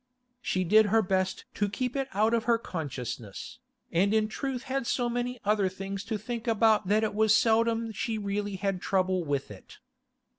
She did her best to keep it out of her consciousness, and in truth had so many other things to think about that it was seldom she really had trouble with it.